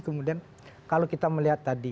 kemudian kalau kita melihat tadi